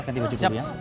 ganti baju dulu ya